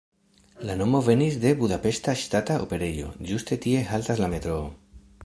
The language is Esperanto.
La nomo venis de Budapeŝta Ŝtata Operejo, ĝuste tie haltas la metroo.